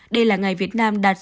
đây là ngày việt nam đạt